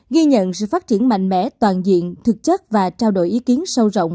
ghi nhận sự phát triển mạnh mẽ toàn diện thực chất và trao đổi ý kiến sâu rộng